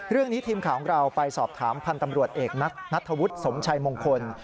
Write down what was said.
ทีมข่าวของเราไปสอบถามพันธ์ตำรวจเอกนัทธวุฒิสมชัยมงคล